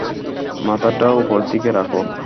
মাথাটা ওপরদিকে রাখো।